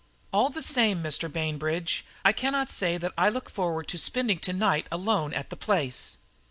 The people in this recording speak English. All the same, Mr. Bainbridge, I cannot say that I look forward to spending to night alone at the place."